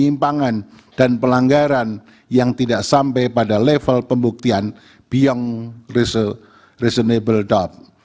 penyimpangan dan pelanggaran yang tidak sampai pada level pembuktian beyond reasonable doubt